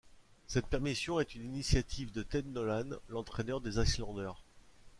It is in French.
Cette permission est une initiative de Ted Nolan, l'entraîneur des Islanders.